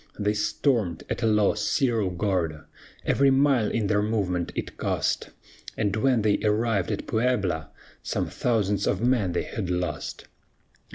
They stormed, at a loss, Cerro Gordo Every mile in their movement it cost; And when they arrived at Puebla, Some thousands of men they had lost.